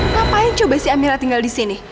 ngapain coba si amira tinggal disini